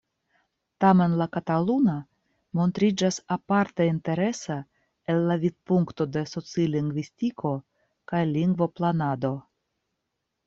Tamen la kataluna montriĝas aparte interesa el la vidpunkto de socilingvistiko kaj lingvoplanado.